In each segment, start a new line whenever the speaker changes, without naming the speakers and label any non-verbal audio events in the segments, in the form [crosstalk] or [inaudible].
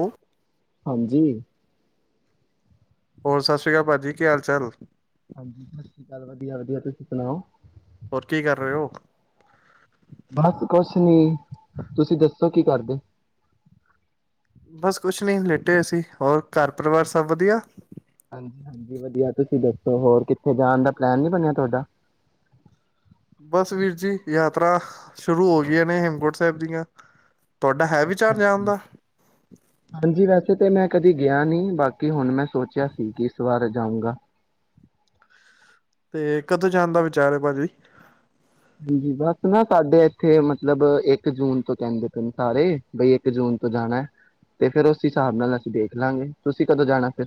ਓਮ
ਹਾਂਜੀ
ਹੋਰ ਸਤਿ ਸ਼੍ਰੀ ਅਕਾਲ ਭਾਜੀ ਕੀ ਹਾਲ ਚਾਲ।
ਹਾਂਜੀ ਸਤਿ ਸ਼੍ਰੀ ਅਕਾਲ ਵਧੀਆ ਵਧੀਆ ਤੁਸੀ ਸੁਨਾਓ।
ਹੋਰ ਕੀ ਕਰ ਰਹੇ ਹੋ।
ਬਸ ਕੁਛ ਨੀ ਤੁਸੀਂ ਦੱਸੋ ਕੀ ਕਰਦੇਓ।
ਬਸ ਕੁਛ ਨਹੀਂ ਲੇਟੇ ਹੋਏ ਸੀ ਹੋਰ ਘਰ ਪਰਿਵਾਰ ਸਭ ਵਧੀਆ।
ਹਾਂਜੀ-ਹਾਂਜੀ ਵਧੀਆ ਤੁਸੀ ਦੱਸੋ ਹੋਰ ਕਿੱਥੇ ਜਾਨ ਦਾ ਪਲੈਨ ਨੀ ਬਨਿਆ ਤੁਹਾਡਾ।
ਬਸ ਵੀਰ ਜੀ ਯਾਤਰਾ ਹ ਸ਼ੁਰੂ ਹੋ ਗਈਆਂ ਨੇ ਹੇਮਕੋਟ ਸਾਹਿਬ ਦੀਆਂ। ਤੁਹਾਡਾ ਹੈ
ਅੱਛਾ
ਵਿਚਾਰ ਜਾਨ ਦਾ।
ਕਿਤੇ ਮੈਂ ਕਦੀ ਗਿਆ ਨੀ ਬਾਕੀ ਹੁਣ ਮੈਂ ਸੋਚਿਆ ਸੀ ਕਿ ਇਸ ਵਾਰ ਜਾਊਂਗਾ
ਤੇ ਕਦੋਂ ਜਾਨ ਦਾ ਵਿਚਾਰ ਹੈ ਭਾਜੀ।
ਜੀ ਜੀ ਬਸ ਨਾ ਸਾਡੇ ਇੱਥੇ ਮਤਲਬ ਇੱਕ ਜੂਨ ਤੋਂ ਜਾਂਦੇ ਪਏ ਨੇ ਸਾਰੇ ਬਈ ਇੱਕ ਜੂਨ ਤੋਂ ਜਾਣਾ ਹੈ ਤੇ ਫੇਰ ਉਸ ਹਿਸਾਬ ਨਾਲ ਅਸੀ ਦੇਖ ਲਾਂਗੇ ਤੁਸੀ ਕਦੋ ਜਾਣਾ ਫਿਰ।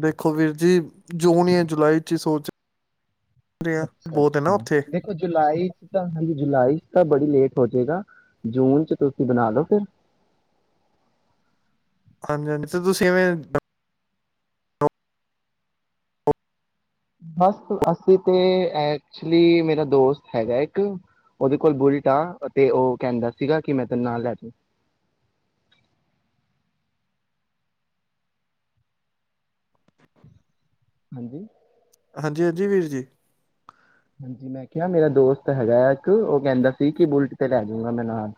ਦੇਖੋ ਵੀਰ ਜੀ ਜੂਨ ਯਾ ਜੁਲਾਈ ਚ ਹੀ ਸੋਚ ਰਹੇ ਆ ਬਹੁਤ ਹੈ ਨਾ
ਅੱਛਾ-ਅੱਛਾ
ਉੱਥੇ
ਦੇਖੋ ਜੁਲਾਈ ਚ ਤਾ ਹਲੇ ਜੁਲਾਈ ਚ ਤਾ ਬੜੀ ਲੇਟ ਹੋਜੇਗਾ ਜੂਨ ਚ ਤੁਸੀ ਬਨਾ ਲੋ ਫਿਰ।
ਹਾਂਜੀ-ਹਾਂਜੀ ਤੇ ਤੁਸੀ ਇਵੇਂ
ਬਸ ਅਸੀ ਤੇ ਐਕਚੁਅਲੀ ਮੇਰਾ ਦੋਸਤ ਹੈਗਾ ਇੱਕ ਉਹਦੇ ਕੋਲ ਬੁਲਟ ਆ ਅਤੇ ਉਹ ਕਹਿੰਦਾ ਸੀਗਾ ਕਿ ਮੈਂ ਤੈਨੂੰ ਨਾਲ ਲੈ ਜਾਊਂਗਾ। ਹਾਂਜੀ
ਹਾਂਜੀ-ਹਾਂਜੀ ਵੀਰ ਜੀ।
ਹਾਂਜੀ ਮੈਂ ਕਿਹਾ ਮੇਰਾ ਦੋਸਤ ਹੈਗਾ ਆ ਇੱਕ ਉਹ ਕਹਿੰਦਾ ਸੀ ਕਿ ਬੁਲਟ ਤੇ ਲੈ ਜਾਊਗਾ ਮੈਂ ਨਾਲ।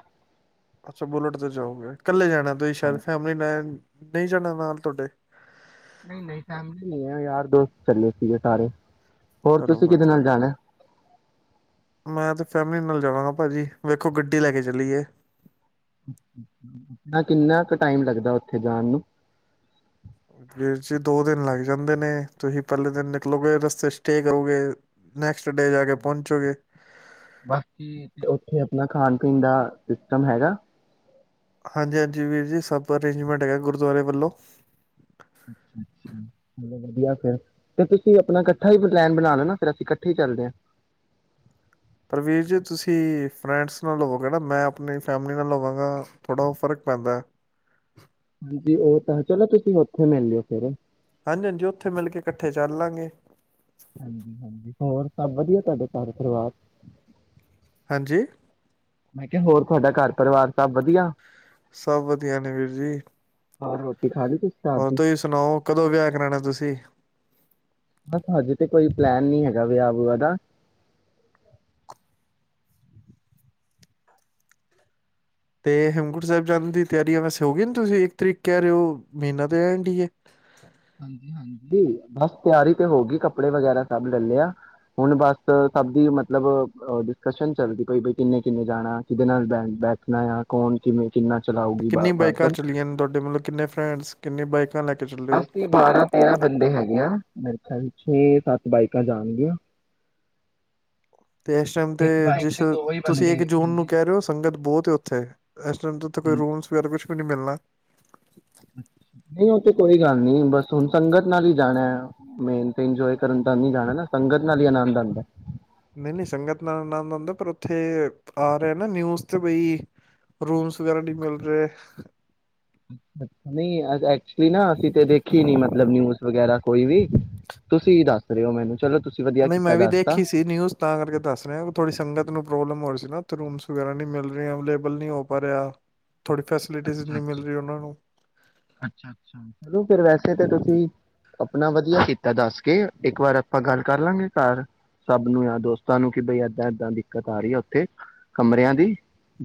ਅੱਛਾ ਬੁਲੇਟ ਤੇ ਜਾਓਗੇ। ਕੱਲੇ ਜਾਣਾ ਹੈ ਤੁਸੀ ਸ਼ਾਯਦ
ਹਾਂਜੀ
ਫੈਮਲੀ ਮੈਨ। ਨਹੀਂ ਜਾਣਾ ਏ ਨਾਲ ਤੁਹਾਡੇ।
ਨਹੀਂ ਨਹੀਂ ਫੈਮਿਲੀ ਨਹੀਂ ਹੈ ਯਾਰ ਦੋਸਤ ਚੱਲੇ ਸੀਗੇ ਸਾਰੇ। ਹੋਰ
ਚਲੋ
ਤੁਸੀ ਕਿਦੇ
ਵਧੀਆ
ਨਾਲ ਜਾਨਾ ਹੈ।
ਮੈਂ ਤੇ ਫੈਮਿਲੀ ਨਾਲ ਜਾਵਾਂਗਾ ਭਾਜੀ ਵੇਖੋ ਗੱਡੀ ਲੈ ਕੇ ਚੱਲੀ ਐ।
ਨਾ ਕਿੰਨਾ ਕੁ ਟਾਈਮ ਲੱਗਦਾ ਉੱਥੇ ਜਾਨ ਨੂੰ।
ਵੀਰ ਜੀ ਦੋ ਦਿਨ ਲੱਗ ਜਾਂਦੇ ਨੇ ਤੁਸੀ ਪਹਿਲੇ ਦਿਨ ਨਿਕਲੋਗੇ ਰਸਤੇ ਚ ਸਟੇ ਕਰੋਗੇ ਨੈਕਸਟ ਡੇ ਜਾ ਕੇ ਪਹੁੰਚੋਗੇ
ਬਾਕੀ ਤੇ ਉੱਥੇ ਅਪਨਾ ਖਾਨ ਪੀਨ ਦਾ ਸਿਸਟਮ ਹੈਗਾ।
ਹਾਂਜੀ-ਹਾਂਜੀ ਵੀਰ ਜੀ ਸਭ ਅਰੇਂਜਮੈਂਟ ਹੈਗਾ ਗੁਰਦੁਆਰੇ ਵੱਲੋ।
ਅੱਛਾ ਅੱਛਾ ਚਲੋ ਵਧੀਆ ਫਿਰ ਤੇ ਤੁਸੀ ਅਪਨਾ ਇਕੱਠਾ ਹੀ ਪਲੈਨ ਬਨਾ ਲਓ ਨਾ ਫਿਰ ਅਸੀ ਇਕੱਠੇ ਹੀ ਚੱਲਦੇ ਹਾਂ।
ਪਰਵੀਰ ਜੀ ਤੁਸੀ ਫਰੈਂਡਸ ਨਾਲ ਹੋਵੋਗੇ ਨਾ ਮੈਂ ਅਪਨੀ ਫੈਮਿਲੀ ਨਾਲ ਹੋਵਾਂਗਾ ਥੋੜ੍ਹਾ ਉਹ ਫਰਕ ਪੈਂਦਾ ਹੈ।
ਤੁਸੀ ਉੱਥੇ ਮਿਲ ਲਯੋ ਫੇਰ।
ਹਾਂਜੀ-ਹਾਂਜੀ ਉੱਥੇ ਮਿਲ ਕੇ ਇਕੱਠੇ ਚੱਲ ਲਾਂਗੇ।
ਹਾਂਜੀ ਹਾਂਜੀ ਹੋਰ ਸਭ ਵਧੀਆ ਤੁਹਾਡੇ ਤੁਹਾਡੇ ਘਰ ਪਰਿਵਾਰ
ਹਾਂਜੀ
ਮੈਂ ਕਿਹਾ ਹੋਰ ਤੁਹਾਡਾ ਘਰ ਪਰਿਵਾਰ ਸਭ ਵਧੀਆ
ਸਭ ਵਧੀਆ ਨੇ ਵੀਰ ਜੀ
ਹੋਰ ਰੋਟੀ ਖਾ ਲੀ
ਹੋਰ ਤੁਸੀਂ ਸੁਣਾਓ ਕਦੋਂ ਵਿਆਹ ਕਰਾਣਾ ਤੁਸੀਂ
ਬਸ ਹਜੇ ਤੇ ਕੋਈ ਪਲੈਨ ਨੀ ਹੈਗਾ ਵਿਆਹ ਬੂਆ ਦਾ
ਤੇ ਹੇਮਕੁਟ ਸਾਹਿਬ ਜਾਣ ਦੀ ਤਿਆਰੀਆਂ ਵੈਸੇ ਹੋ ਗਈ ਨੇ ਤੁਸੀਂ ਇੱਕ ਤਰੀਕ ਕਹਿ ਰਹੇ ਹੋ ਮਹੀਨਾ ਤੇ ਐਂਡ ਹੀ ਹੈ
ਹਾਂਜੀ ਹਾਂਜੀ ਬਸ ਤਿਆਰੀ ਤੇ ਹੋ ਗੀ ਕੱਪੜੇ ਵਗੈਰਾ ਸਭ ਲੈ ਲੇ ਆ ਹੁਣ ਬਸ ਸਭ ਦੀ ਮਤਲਬ ਡਿਸਕਸ਼ਨ ਚੱਲਦੀ ਪਈ ਬਈ ਕਿੰਨੇ ਕਿੰਨੇ ਜਾਣਾ ਕਿਦੇ ਨਾਲ ਬ ਬੈਠਣਾ ਆ ਕੌਣ ਕਿਵੇਂ ਕਿੰਨਾ ਚਲਾਊਗੀ ਬ
ਕਿੰਨੀ ਬਾਈਕਾਂ
ਮਤਲਬ
ਚਲੀਆਂ ਨੇ ਤੁਹਾਡੇ ਮਤਲਬ ਕਿੰਨੇ ਫਰੈਂਡਸ ਕਿੰਨੇ ਬਾਈਕ
ਅਸੀਂ ਬਾਰਾਂ ਤੇਰਾਂ ਬੰਦੇ ਹੈਗੇ ਹਾ ਮੇਰੇ ਖਿਆਲ ਛੇ ਸੱਤ ਬਾਈਕਾਂ ਜਾਣਗੀਆਂ
ਤੇ ਇਸ ਟਾਈਮ ਤੇ
ਇੱਕ ਬਾਈਕ
ਜਿਸ
ਉਹੀ
ਤੁਸੀਂ
ਬੰਦੇ
ਇੱਕ ਜੂਨ
ਹਾਂਜੀ
ਨੂੰ ਕਹਿ ਰਹੇ ਹੋ ਸੰਗਤ ਬਹੁਤ ਹੈ ਉੱਥੇ ਇਸ ਟਾਈਮ ਤੇ ਉਥੇ ਕੋਈ ਰੂਮਸ ਵਗੈਰਾ ਕੁਛ ਕਿਉ ਨਹੀਂ ਮਿਲਣਾ
ਨਹੀਂ ਉਹ ਤੇ ਕੋਈ ਗੱਲ ਨੀ ਬਸ ਹੁਣ ਸੰਗਤ ਨਾਲ ਹੀ ਜਾਣਾ ਮੇਨ ਤੇ ਇੰਜੋਏ ਕਰਨ ਤੇ ਨੀ ਜਾਣਾ ਨਾ ਸੰਗਤ ਨਾਲ ਹੀ ਆਨੰਦ ਆਉਂਦਾ
ਨਹੀਂ ਨਹੀਂ ਸੰਗਤ ਨਾਲ ਆਨੰਦ ਆਉਂਦਾ ਪਰ ਉੱਥੇ ਆ ਰਿਹਾ ਨਾ ਨਿਊਜ਼ ਤੇ ਬਈ ਰੂਮਸ ਵਗੈਰਾ ਨਹੀਂ ਮਿਲ ਰਹੇ
ਨਹੀਂ ਤੇ ਨਾ ਅਸੀਂ ਤੇ ਦੇਖੀ ਨੀ ਮਤਲਬ ਨਿਊਜ਼ ਵਗੈਰਾ ਕੋਈ ਵੀ ਤੁਸੀਂ ਦੱਸ ਰਹੇ ਹੋ ਮੈਨੂੰ ਚਲੋ ਤੁਸੀਂ ਵਧੀਆ
ਨਹੀਂ ਮੈਂ
ਕੀਤਾ
ਵੀ
ਦੱਸਤਾ
ਦੇਖੀ ਸੀ ਨਿਊਜ਼ ਤਾਂ ਕਰਕੇ ਦੱਸ ਰਿਹਾ ਥੋੜੀ ਸੰਗਤ ਨੂੰ ਪ੍ਰੋਬਲਮ ਹੋ ਰਹੀ ਸੀ ਨਾ ਰੂਮਸ ਵਗੈਰਾ ਨਹੀਂ ਮਿਲ ਰਹੇ ਅਵੇਲੇਬਲ ਨਹੀਂ ਹੋ ਪਾ ਰਿਹਾ ਥੋੜੀ ਫੈਸਿਲਿਟੀਜ਼
ਅੱਛਾ ਅੱਛਾ
ਨਹੀਂ ਮਿਲ ਰਹੀ ਉਹਨਾਂ ਨੂੰ
ਅੱਛਾ ਅੱਛਾ ਅੱਛਾ ਚਲੋ ਫੇਰ ਵੈਸੇ ਤੇ ਤੁਸੀਂ ਆਪਣਾ ਵਧੀਆ ਕੀਤਾ ਦੱਸ ਕੇ ਇੱਕ ਵਾਰ ਆਪਾਂ ਗੱਲ ਕਰ ਲਾਂਗੇ ਘਰ ਸਭ ਨੂੰ ਯਾ ਦੋਸਤਾਂ ਨੂੰ ਕਿ ਬਈ ਏਦਾਂ ਏਦਾਂ ਦਿੱਕਤ ਆ ਰਹੀ ਹੈ ਉੱਥੇ ਕਮਰਿਆਂ ਦੀ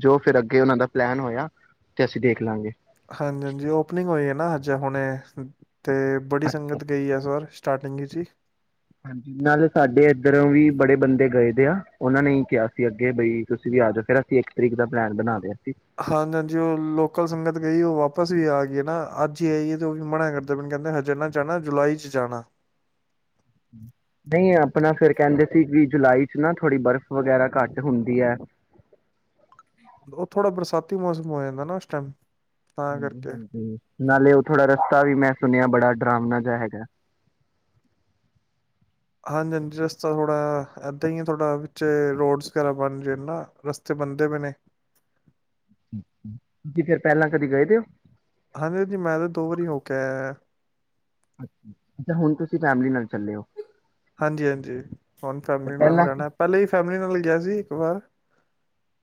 ਜੋ ਫੇਰ ਅੱਗੇ ਉਹਨਾਂ ਦਾ ਪਲੈਨ ਹੋਇਆ ਤੇ ਅਸੀਂ ਦੇਖ ਲਾਂਗੇ
ਹਾਂਜੀ ਹਾਂਜੀ ਓਪਨਿੰਗ ਹੋਈ ਹੈ ਨਾ ਅੱਜ ਹੁਣੇ ਅਤੇ ਬੜੀ ਸੰਗਤ ਗਈ ਆ ਇਸ ਬਾਰ ਸਟਾਰਟਿੰਗ ਹੈ ਜੀ
ਹਾਂਜੀ ਨਾਲੇ ਸਾਡੇ ਇੱਧਰੋਂ ਵੀ ਬੜੇ ਬੰਦੇ ਗਏ ਦੇ ਆ ਉਹਨਾਂ ਨੇ ਹੀ ਕਿਹਾ ਸੀ ਅੱਗੇ ਬਈ ਤੁਸੀਂ ਵੀ ਆ ਜਾਓ ਫੇਰ ਅਸੀਂ ਇੱਕ ਤਰੀਕ ਦਾ ਪਲੈਨ ਬਣਾ ਲਿਆ ਸੀ
ਹਾਂਜੀ ਹਾਂਜੀ ਉਹ ਲੋਕਲ ਸੰਗਤ ਗਈ ਉਹ ਵਾਪ ਵਾਪਸ ਵੀ ਆ ਗਏ ਨਾ ਅੱਜ ਹੀ ਆਈਏ ਉਹ ਮਨਾ ਕਰਦੇ ਪਏ ਨੇ ਹਜੇ ਨਾ ਜਾਣਾ ਜੁਲਾਈ ਚ ਜਾਣਾ
ਨਹੀਂ ਆਪਣਾ ਫੇਰ ਕਹਿੰਦੇ ਸੀ ਵੀ ਜੁਲਾਈ ਚ ਨਾ ਥੋੜ੍ਹੀ ਬਰਫ਼ ਵਗੈਰਾ ਘੱਟ ਹੁੰਦੀ ਹੈ
ਉਹ ਥੋੜਾ ਬਰਸਾਤੀ ਮੌਸਮ ਹੋ ਜਾਂਦਾ ਨਾ ਉਸ ਟਾਈਮ ਤਾਂ
ਹਾਂਜੀ
ਕਰਕੇ
ਹਾਂਜੀ ਨਾਲੇ ਉਹ ਥੋੜ੍ਹਾ ਰਸਤਾ ਵੀ ਮੈਂ ਸੁਣਿਆ ਬੜਾ ਡਰਾਮਨਾ ਜਿਹਾ ਹੈਗਾ
ਹਾਂਜੀ ਹਾਂਜੀ ਰਸਤਾ ਥੋੜ੍ਹਾ ਇਦਾਂ ਹੀ ਹੈ ਥੋੜ੍ਹਾ ਵਿੱਚ ਰੋਡਸ ਵਗੈਰਾ ਬਣ ਰਹੇ ਨਾ ਰਸਤੇ ਬਣਦੇ ਪਏ ਨੇ
ਫਿਰ ਪਹਿਲਾਂ ਕਦੀ ਗਏ ਵੇ ਓ?
ਆ
ਅੱਛ ਅੱਛਾ ਹੁਣ ਤੁਸੀਂ ਫੈਮਲੀ ਨਾਲ ਚੱਲੇ ਹੋ
ਹਾਂਜੀ-ਹਾਂਜੀ, ਹੁਣ
ਤੇ
ਫੈਮਲੀ ਨਾਲ
ਪਹਿਲਾਂ
ਜਾਨਾ, ਪਹਿਲੇ ਹੀ ਫੈਮ ਲੀ ਨਾਲ ਗਿਆ ਸੀ ਇੱਕ ਵਾਰ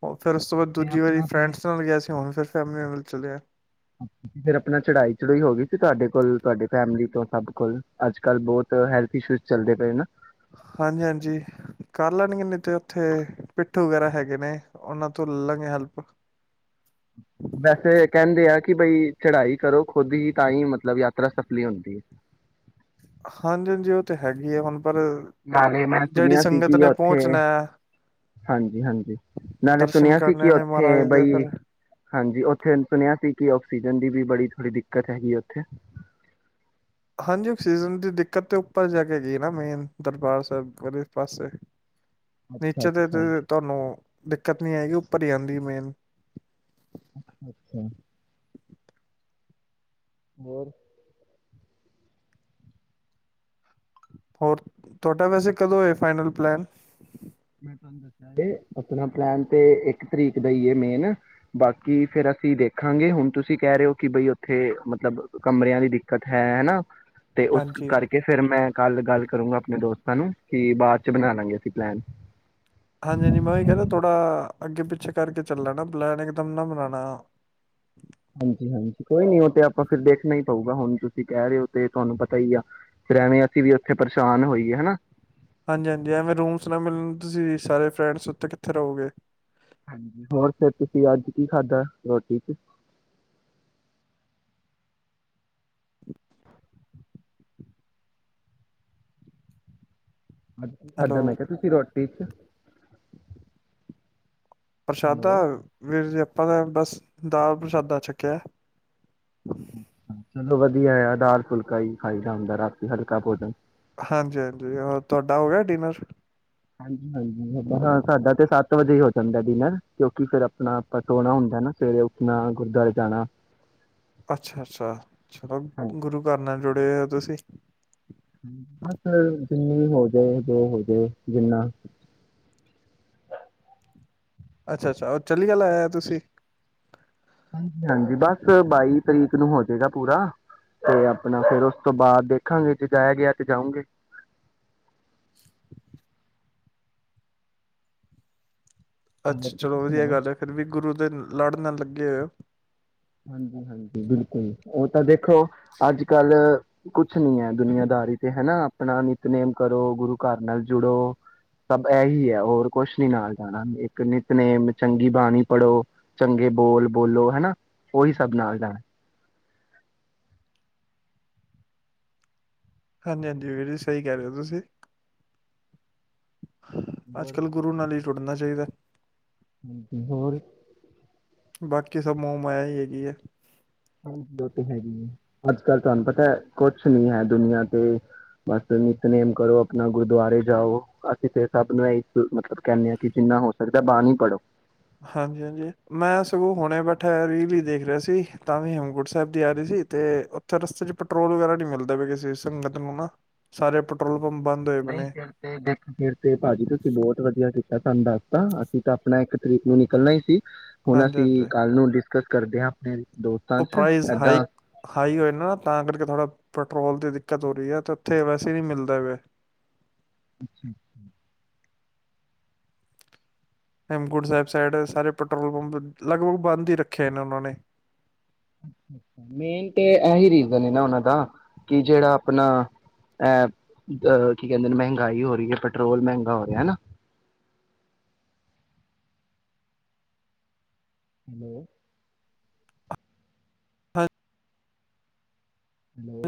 ਓ ਫਿਰ ਉਸ ਤੋਂ ਬਾਅਦ ਦੂਜੀ ਵਾਰੀ ਫਰੈਂਡਸ ਨਾਲ ਗਿਆ ਸੀ ਹੁਨ ਫਿਰ ਸ਼ਮਿਆਂ ਵੱਲ ਚਲਿਆ।
ਫਿਰ ਆਪਣਾ ਚੜਾਈ ਚੜੂਈ ਹੋ ਗਈ ਸੀ ਤੁਹਾਡੇ ਕੋਲ, ਤੁਹਾਡੇ ਫੈਮਲੀ ਤੋਂ ਸਭ ਕੋਲ, ਅੱਜ-ਕੱਲ ਬਹੁਤ ਹੈਲਥ ਇਸ਼ੂ ਚੱਲਦੇ ਪਏ ਨਾ।
ਹਾਂਜੀ-ਹਾਂਜੀ ਕਰ ਲੈਨਗੇ ਨਾਜ਼ੀ ਤੇ ਉੱਥੇ ਪਿੱਠੂ ਵਗੈਰਾ ਹੈਗੇ ਨੇ ਉਹਨਾਂ ਤੋਂ ਲੈ ਲਾਂਗੇ ਹੈਲਪ।
ਵੈਸੇ ਕਹਿੰਦੇ ਆ ਕਿ ਬਈ ਚੜਾਈ ਕਰੋ ਖੁਦ ਹੀ ਤਾਂ ਹੀ ਮਤਲਬ ਯਾ ਤਰਾ ਸਫਲੀ ਹੁੰਦੀ ਐ।
ਹਾਂਜੀ-ਹਾਂਜੀ ਉਹ ਤੇ ਹੈਗੀ ਏ ਹੁਨ
ਨਾਲੇ ਮੈਂ ਸੁਣਿਆ ਸੀ ਕਿ
ਨੇ
ਉੱਥੇ,
ਪਹੁੰਚਣਾ ਹੈ,
ਹਾਂਜੀ-ਹਾਂਜੀ, ਨਾਲੇ
ਦਰਸ਼ਨ
ਸੁਣਿਆ ਸੀ ਕਿ
ਕਰਨੇ ਨੇ
ਉੱਥੇ
ਮਹਾਰਾਜ ਦੇ
ਬਈ,
ਫਿਰ
ਹਾਂਜੀ ਉੱਥੇ ਸੁਣਿਆ ਸੀ ਕਿ ਓ ਸੀਜਨ ਦੀ ਵੀ ਬੜੀ, ਥੋੜੀ ਦਿੱਕਤ ਹੈਗੀ ਐ ਉੱਥੇ।
ਹਾਂਜੀ ਓਕਸੀਜਨ ਦੀ ਦਿੱਕਤ ਤੇ ਉੱਪਰ ਜਾ ਕੇ ਹੈਗੀ ਏ ਨਾ ਮੇਨ, ਦਰਬਾਰ ਸਾਹਿਬ ਵਾਲੇ ਪਾਸੇ।
ਅੱਛਾ
ਨੀਚੇ ਤੇ
ਅੱਛਾ
ਤੁਸੀ ਤੁਹਾਨੂੰ ਦਿੱਕਤ ਨਈ ਆਏਗੀ, ਉਪਰ ਹੀ ਆਂਦੀ ਮੇਨ।
ਅੱਛਾ-ਅੱਛਾ। ਹੋਰ?
ਹੋਰ, ਤੁਹਾਡਾ ਵੈਸੇ ਕਦੋਂ ਏ ਫਾਈਨਲ ਪਲੈਨ?
ਮੈਂ ਤੁਹਾਨੂੰ ਦੱਸਿਆ ਤੇ ਆਪਣਾ ਪਲੈਨ ਤੇ ਇੱਕ ਤਰੀਕ ਦਾ ਈ ਐ ਮੇਨ, ਬਾਕੀ ਫੇਰ ਅਸੀਂ ਦੇਖਾਂਗੇ ਹੁਣ ਤੁਸੀਂ ਕਹਿ ਰਹੇ ਓ ਕਿ ਬਈ ਉੱਥੇ ਮਤਲਬ ਕਿ ਕਮਰਿਆਂ ਦੀ ਦਿੱਕਤ ਹੈ। ਹਨਾ? ਤੇ ਉਸ
ਹਾਂਜੀ
ਕਰਕੇ ਫ਼ੇਰ ਮੈਂ ਕੱਲ ਗੱਲ ਕਰੂੰਗਾ ਆਪਣੇ ਦੋਸਤਾਂ ਨੂੰ, ਕੀ ਬਾਅਦ ਚ ਬਨਾ ਲਾਂਗੇ ਅਸੀਂ ਪਲੈਨ।
ਹਾਂਜੀ-ਹਾਂਜੀ ਮੈਂ ਉਹੀ ਕਹਿ ਰਿਹਾ ਥੋੜਾ ਅੱਗੇ ਪਿੱਛੇ ਕਰਕੇ ਚੱਲਨਾ ਨਾ ਪਲੈਨ, ਇਕ ਦਮ ਨਾ ਬਨਾਨਾ।
ਹਾਂਜੀ-ਹਾਂਜੀ, ਕੋਈ ਨੀ ਉਹ ਤੇ ਆਪਾਂ ਫਿਰ ਦੇਖਣਾ ਹੀ ਪਊਗਾ ਹੁਨ, ਤੁਸੀਂ ਕਹਿ ਰਹੇ ਹੋ ਤੇ ਤੁਹਾਨੂੰ ਪਤਾ ਹੀ ਆ ਫਿਰ ਐਵੇਂ ਅਸੀਂ ਵੀ ਉੱਥੇ ਪਰੇਸ਼ਾਨ ਹੋਈਏ ਹਨਾ
ਹਾਂਜੀ-ਹਾਂਜੀ ਐਵੇਂ ਰੂਮਸ ਨਾ ਮਿਲਨ ਤੁਸੀਂ ਸਾਰੇ ਫਰੈਂਡਸ ਉੱਥੇ ਕਿੱਥੇ ਰਹੋਗੇ?
ਹਾਂਜੀ, ਹੋਰ ਫ਼ੇਰ ਤੁਸੀਂ ਅੱਜ ਕੀ ਖਾਧਾ ਰੋਟੀ ਚ? ਅੱਜ ਕਿ
ਹੈਲੋ
ਖਾਦਾ ਮੈਂ ਕਿਹਾ ਤੁਸੀ ਰੋ ਵਿੱਚ
ਪ੍ਰਸ਼ਾਦਾ,
ਹੈਲੋ
ਵੀਰ ਜੀ ਆਪਾ ਤੇ ਬਸ ਦਾਲ ਪ੍ਰਸ਼ਾਦਾ ਛਕਿਆ।
ਅੱਛਾ-ਅੱਛਾ। ਚਲੋ ਵਧੀਆ ਆ, ਦਾਲ ਫੁਲਕਾ ਹੀ ਖਾਈਦਾ ਹੁੰਦਾ ਰਾਤੀ ਹਲਕਾ ਭੋਜਨ।
ਹਾਂਜੀ-ਹਾਂਜੀ, ਹੋਰ ਤੁਹਾਡਾ ਹੋ ਗਿਆ ਡਿਨਰ?
ਹਾਂਜੀ-ਹਾਂਜੀ ਹਾਂ ਸਾਡਾ ਤੇ ਸੱਤ ਵਜੇ ਹੀ ਹੋ ਜਾਂਦਾ ਡਿਨਰ ਕਿਉਂਕਿ ਫਿਰ ਆਪਣਾ ਆਪਾਂ ਸੋਣਾ ਹੁੰਦਾ ਨਾ, ਸਵੇਰੇ ਉੱਠਨਾ, ਗੁਰਦੁਆਰੇ ਜਾਣਾ।
ਅੱਛਾ ਅੱਛਾ ਚਲੋ
ਹਾਂਜੀ
ਗੁਰੂ ਘਰ ਨਾਲ ਜੁੜੇ ਹੋ ਤੁਸੀਂ।
ਬਸ ਜਿੰਨੀ ਵੀ ਹੋ ਜਾਏ ਦੋ ਹੋ ਜਾਏ ਜਿੰਨਾ
ਅੱਛਾ ਅੱਛਾ ਚੰਡੀਗੜ ਆਏ ਤੁਸੀਂ।
ਹਾਂਜੀ ਬਸ ਬਾਈ ਤਰੀਕ ਨੂੰ ਹੋ ਜਾਏਗਾ ਪੂਰਾ ਤੇ ਆਪਣਾ ਫੇਰ ਉਸ ਤੋਂ ਬਾਅਦ ਦੇਖਾਂਗੇ ਜੇ ਜਾਇਆ ਗਿਆ ਤੇ ਜਾਊਗੇ। ਹੋਰ
ਅੱਛਾ ਚਲੋ
ਤੁਸੀਂ
ਵਧੀਆ
ਸੁਣਾਓ?
ਗੱਲ ਹੈ ਫਿਰ ਵੀ ਗੁਰੂ ਦੇ ਲੜ ਨਾਲ ਲੱਗੇ। [inaudible]
ਹਾਂਜੀ ਹਾਂਜੀ ਬਿਲਕੁਲ ਉਹ ਤਾਂ ਦੇਖ ਦੇਖੋ ਅੱਜ ਕੱਲ ਕੁਛ ਨੀ ਹੈ ਦੁਨੀਆਂਦਾਰੀ ਤੇ ਹੈ ਨਾ ਆਪਣਾ ਨਿਤਨੇਮ ਕਰੋ ਗੁਰੂ ਘਰ ਨਾਲ ਜੁੜੋ ਸਭ ਨੂੰ ਇਹੀ ਹੈ ਹੋਰ ਕੁਛ ਨੀ ਨਾਲ ਜਾਣਾ ਇੱਕ ਨਿਤਨੇਮ ਚੰਗੀ ਬਾਣੀ ਪੜੋ ਚੰਗੇ ਬੋਲ ਬੋਲੋ ਹਨਾ। ਉਹੀ ਸਭ ਨਾਲ ਜਾਣਾ ਐ।
ਹਾਂਜੀ ਹਾਂਜੀ, ਵੀਰ ਜੀ ਸਹੀ ਕਹਿ ਰਹੇ ਹੋ ਤੁਸੀਂ। ਅੱਜ ਕੱਲ੍ਹ ਗੁਰੂ ਨਾਲ ਹੀ ਜੁੜਨਾ ਚਾਹੀਦਾ।
ਹਾਂਜੀ ਹੋਰ,
ਬਾਕੀ ਸਭ ਮੋਹ ਮਾਇਆ ਹੀ ਹੈਗੀ ਐ।
ਹਾਂਜੀ ਉਹ ਤੇ ਹੈਗੀ ਹੈ ਅੱਜ ਕੱਲ ਤੁਹਾਨੂੰ ਪਤਾ ਕੁਛ ਨੀ ਹੈ ਦੁਨੀਆਂ ਤੇ ਬਸ ਨਿਤਨੇਮ ਕਰੋ ਆਪਣਾ ਗੁਰਦੁਆਰੇ ਜਾਓ ਅਸੀਂ ਫਿਰ ਸਭ ਨੂੰ ਇਹ ਮਤਲਬ ਕਹਿੰਦੇ ਆਾਂ ਕਿ ਜਿੰਨਾ ਹੋ ਸਕਦਾ ਬਾਣੀ ਪੜ੍ਹੋ।
ਹਾਂਜੀ ਹਾਂਜੀ ਮੈਂ ਸਗੋਂ ਹੁਣੇ ਬੈਠਿਆ ਇਹ ਵੀ ਦੇਖ ਰਿਹਾ ਸੀ ਤਾਂ ਵੀ ਹੇਮਕੋਟ ਸਾਹਿਬ ਦੀ ਆ ਰਹੀ ਸੀ ਤੇ ਉੱਥੇ ਰਸਤੇ ਚ ਪੈਟਰੋਲ ਵਗੈਰਾ ਨੀ ਮਿਲਦਾ ਪਿਆ ਸੀ ਕਿਸੇ ਸੰਗਤ ਨੂੰ ਨਾ। ਸਾਰੇ ਪੈਟਰੋਲ ਪੰਪ ਬੰਦ ਹੋਏ ਪਏ
ਨਹੀਂ
ਨੇ
ਫਿਰ ਦੇਖ ਫਿਰ ਤੇ ਭਾਜੀ ਤੁਸੀਂ ਬਹੁਤ ਵਧੀਆ ਸਾਨੂੰ ਦੱਸਤਾ ਅਸੀਂ ਤਾਂ ਆਪਣਾ ਇੱਕ ਤਰੀਕ ਨੂੰ ਨਿਕਲਣਾ ਹੀ ਸੀ। ਹੁਣ
ਹਾਂਜੀ
ਅਸੀਂ
ਹਾਂਜੀ
ਕਲ ਨੂੰ ਕਰਦੇ ਆ ਆਪਣੇ। ਦੋਸਤਾਂ
ਉਹ
'ਚ
ਪ੍ਰਾਈਜ਼ ਹਾਈ
ਏਦਾਂ
ਹਾਈ ਹੋਏ ਨਾ ਨਾ ਤਾਂ ਕਰਕੇ ਥੋੜ੍ਹਾ ਪੈਟਰੋਲ ਦੀ ਦਿੱਕਤ ਹੋ ਰਹੀ ਹੈ ਤੇ ਉੱਥੇ ਵੈਸੇ ਨਹੀਂ ਮਿਲਦਾ ਪਿਆ।
ਅੱਛਾ ਅੱਛਾ।
ਹੇਮਕੁੰਟ ਸਾਹਿਬ ਸਾਈਡ ਸਾਰੇ ਪੈਟਰੋਲ ਪੰਪ ਲਗਭਗ ਬੰਦ ਹੀ ਰੱਖੇ ਨੇ ਉਹਨਾਂ ਨੇ।
ਮੇਨ ਤੇ ਇਹੀ ਰੀਜਨ ਹੈ ਨਾ ਉਹਨਾਂ ਦਾ ਕਿ ਜਿਹੜਾ ਆਪਣਾ ਅ ਕੀ ਕਹਿੰਦੇ ਨੇ ਮਹਿੰਗਾਈ ਹੋ ਰਹੀ ਹੈ ਪੈਟਰੋਲ ਮਹਿੰਗਾ ਹੋ ਰਿਹਾ ਹਨਾ। ਹੈਲੋ।
ਹਾਜੀ
ਹੈਲੋ।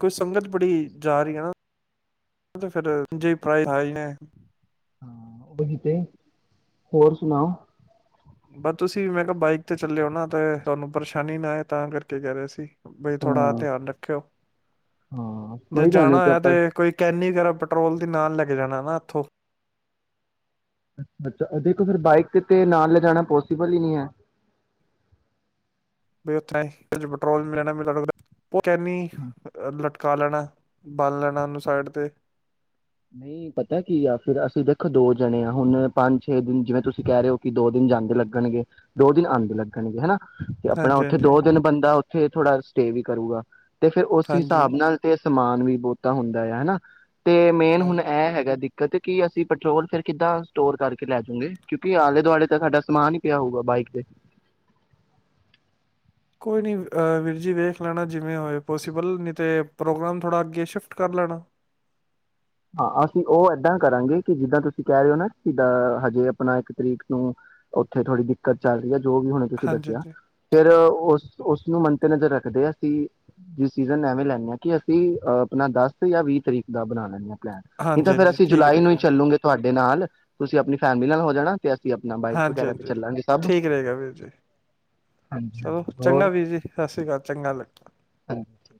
ਕੋਈ ਸੰਗਤ ਬੜੀ ਜਾ ਰਹੀ ਐ ਨਾ [inaudible]
ਓਹੀ ਤੇ ਹੋਰ ਸੁਣਾਓ।
ਬਸ ਤੁਸੀਂ ਮੈਂ ਕਿਹਾ ਬਾਈਕ ਤੇ ਚੱਲਿਓ ਨਾ ਤੇ ਤੁਹਾਨੂੰ ਪਰੇਸ਼ਾਨੀ ਨਾ ਆਏ ਤਾਂ ਕਰਕੇ ਕਹਿ ਰਹੇ ਸੀ। ਬਈ ਥੋੜਾ
ਹਾਂ
ਧਿਆਨ ਰੱਖਿਓ
ਹਾਂ
ਜੇ
ਕੋਈ ਗੱਲ ਨਹੀਂ
ਜਾਣਾ ਹੋਇਆ
ਆਪਾਂ
ਤੇ ਕੋਈ ਕੈਨੀ ਵਗੈਰਾ ਪੈਟਰੋਲ ਦੇ ਨਾਲ ਲੈ ਕੇ ਜਾਣਾ ਨਾ ਇੱਥੋਂ
ਅੱਛ ਅੱਛਾ ਦੇਖੋ ਫਿਰ ਬਾਈਕ ਤੇ ਨਾਲ ਲਿਜਾਣਾ ਪੋਸੀਬਲ ਹੀ ਨਹੀਂ ਹੈ।
ਵੀ ਉੱਥੇ ਪੈਟਰੋਲ [inaudible] ਕੈਨੀ ਲਟ ਕਾ ਲੈਣਾ ਬਾਲ ਲੈਣਾ ਉਹਨੂੰ ਸਾਈਡ 'ਤੇ
ਨਹੀਂ ਪਤਾ ਕੀ ਆ ਫਿਰ ਅਸੀਂ ਦੇਖੋ ਦੋ ਜਣੇ ਆਾਂ ਹੁਣ ਪੰਜ ਛੇ ਦਿਨ ਜਿਵੇਂ ਤੁਸੀਂ ਕਹਿ ਰਹੇ ਹੋ ਕਿ ਦੋ ਦਿਨ ਜਾਂਦੇ ਲੱਗਣਗੇ ਦੋ ਦਿਨ ਆਦੇ ਲੱਗਣਗੇ ਹਨਾ। ਤੇ ਆਪਣਾ
ਹਾਂਜੀ
ਉੱਥੇ
ਹਾਂਜੀ
ਦੋ ਦਿਨ ਬੰਦਾ। ਉੱਥੇ ਥੋੜਾ ਸਟੇ ਵੀ ਕਰੇਗਾ। ਤੇ ਫੇਿਰ ਉਸ
ਹਾਂਜੀ
ਹਿਸਾਬ ਨਾਲ ਤੇ ਸਮਾਨ ਵੀ ਬਹੁਤਾ ਹੁੰਦਾ ਆ ਹਨਾ ਤੇ ਮੇਨ ਹੁਣ
ਹਾਂਜੀ
ਇਹ ਹੈਗਾ ਕਦੇ ਕੀ ਅਸੀਂ ਪੈਟਰੋਲ ਫਿਰ ਕਿੱਦਾਂ ਸਟੋਰ ਕਰਕੇ ਲੈ ਜਾਊਗੇ ਕਿਉਂਕਿ ਆਲੇ ਦੁਆਲੇ ਦਾ ਸਾਡਾ ਸਮਾਨ ਹੀ ਪਿਆ ਹੋਊਗਾ ਬਾਈਕ ਤੇ
ਕੋਈ ਨਹੀਂ ਵੀਰ ਜੀ ਵੇਖ ਲੈਣਾ ਜਿਵੇਂ ਹੋਏ ਪੋਸੀਬਲ ਨਹੀਂ ਅਤੇ ਪ੍ਰੋਗਰਾਮ ਥੋੜ੍ਹਾ ਅੱਗੇ ਸ਼ਿਫਟ ਕਰ ਲੈਣਾ
ਹਾਂ ਅਸੀਂ ਉਹ ਏਦਾਂ ਕਰਾਂਗੇ ਕਿ ਜਿੱਦਾਂ ਤੁਸੀਂ ਕਹਿ ਰਹੇ ਹੋ ਨਾ ਜਿੱਦਾਂ ਹਜੇ ਆਪਣਾ ਇੱਕ ਤਰੀਕ ਨੂੰ ਉੱਥੇ ਥੋੜ੍ਹੀ ਦਿੱਕਤ ਚੱਲ ਰਹੀ ਹੈ। ਜੋ ਵੀ ਹੁਣੇ ਤੁਸੀਂ
ਹਾਂਜੀ
ਦੱਸਿਆ
ਹਾਂਜੀ
ਫਿਰ ਉਸ ਉਸਨੂੰ ਮੰੱਦੇਨਜ਼ਰ ਰੱਖਦੇ ਅਸੀਂ ਡਸੀਜ਼ਨ ਐਵੇਂ ਲੈਂਦੇ ਹਾਂ ਕਿ ਅਸੀਂ ਆਪਣਾ ਦਸ ਜਾਂ ਵੀਹ ਤਰੀਕ ਦਾ ਬਣਾ ਲੈਂਦੇ ਹਾਂ। ਨਹੀਂ
ਹਾਂਜੀ
ਤਾਂ ਫਰ
ਹਾਂਜੀ
ਅਸੀਂ
ਠੀਕ
ਜੁਲਾਈ ਨੂੰ ਹੀ
ਰਹੇਗਾ
ਚੱਲੂਗੇ ਤੁਹਾਡੇ ਨਾਲ ਤੁਸੀਂ ਆਪਣੀ ਫੈਮਿਲੀ ਨਾਲ ਹੋ ਜਾਣਾ ਤੇ ਅਸੀਂ ਆਪਣਾ ਬਾਈਕ
ਹਾਂਜੀ
ਵਗੈਰਾ ਤੇ
ਹਾਂਜੀ
ਚੱਲਾਂਗੇ ਸਭ
ਠੀਕ ਰਹੇਗਾ ਵੀਰ ਜੀ ਚਲੋ ਚੰਗਾ ਵੀਰ ਜੀ ਸਤਿ ਸ੍ਰੀ ਅਕਾਲ। ਚੰਗਾ ਲੱਗਗਾ।
ਹਾਂ ਠੀਕ।